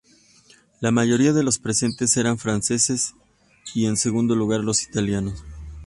La mayoría de los presentes eran franceses y en segundo lugar los italianos.